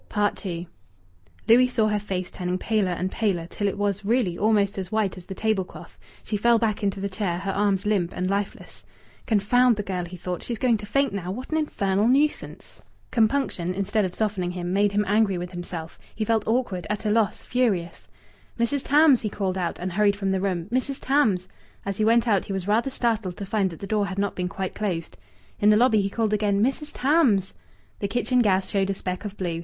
II Louis saw her face turning paler and paler, till it was, really, almost as white as the table cloth. She fell back into the chair, her arms limp and lifeless. "Confound the girl!" he thought. "She's going to faint now! What an infernal nuisance!" Compunction, instead of softening him, made him angry with himself. He felt awkward, at a loss, furious. "Mrs. Tams!" he called out, and hurried from the room. "Mrs. Tams!" As he went out he was rather startled to find that the door had not been quite closed. In the lobby he called again, "Mrs. Tams!" The kitchen gas showed a speck of blue.